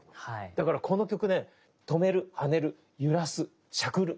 だからこの曲ね止める跳ねる揺らすしゃくる